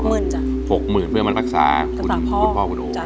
๖๐๐๐๐บาทเพื่อให้มันรักษาคุณพ่อคุณโอ๋